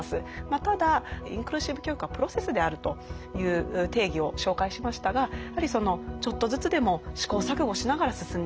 ただ「インクルーシブ教育はプロセスである」という定義を紹介しましたがちょっとずつでも試行錯誤しながら進んでいく。